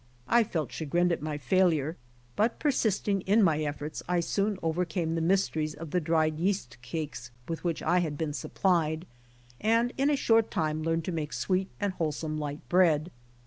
I felt chagrined at my failure, but persisting in my efforts I soon overcame the mysteries of the dried j'east cakes with which T had been supplied, and in a short time learned to make sweet and wholesome light bread.